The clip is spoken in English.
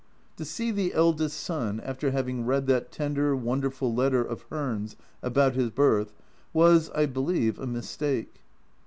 To see the eldest son, after having read that tender, wonderful letter of Hearn's about his birth, was, I believe, a mistake.